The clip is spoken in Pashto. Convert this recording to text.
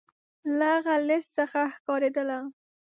له هغه لیست څخه ښکارېدله.